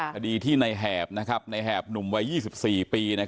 คดีที่ในแหบในแหบหนุ่มวัย๒๔ปี